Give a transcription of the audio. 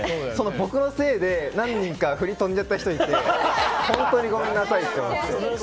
僕のせいで、何人か振りが飛んじゃった人がいて本当にごめんなさいと思って。